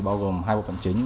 bao gồm hai bộ phần chính